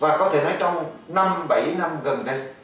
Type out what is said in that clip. và có thể nói trong năm bảy năm gần đây